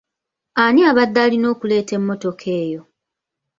Ani abadde alina okuleeta emmotoka eyo?